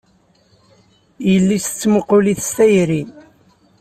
Yelli-s tettmuqul-it s tayri.